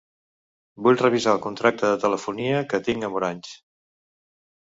Vull revisar el contracte de telefonia que tinc amb Orange.